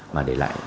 mà để lại